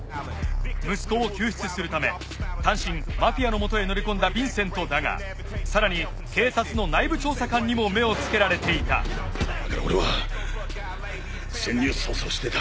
息子を救出するため単身マフィアのもとへ乗り込んだビンセントだが更に警察の内部調査官にも目を付けられていただから俺は潜入捜査をしてた。